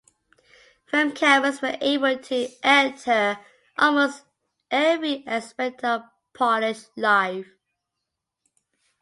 Film cameras were able to enter almost every aspect of Polish life.